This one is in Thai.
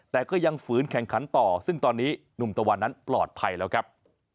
แต่ก็ยังฝืนแข่งขันต่อซึ่งตอนนี้หนุ่มตะวันนั้นปลอดภัยแล้วครับ